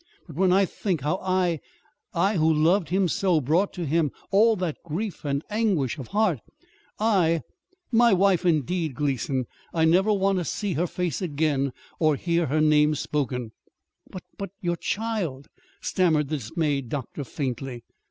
But when I think how I I, who love him so brought to him all that grief and anguish of heart, I My wife, indeed! Gleason, I never want to see her face again, or hear her name spoken!" "But your your child," stammered the dismayed doctor faintly.